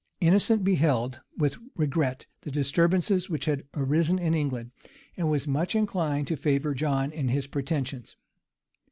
[] Innocent beheld with regret the disturbances which had arisen in England, and was much inclined to favor John in his pretensions.